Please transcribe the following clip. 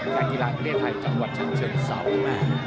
แก่กีฬาเรียนไทยจังหวัดชะเชิงเสาร์แม่ง